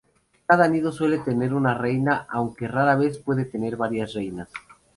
Cada nido suele tener una reina, aunque rara vez puede tener varias reinas.